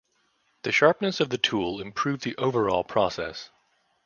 The sharpness of the tool improved the overall process.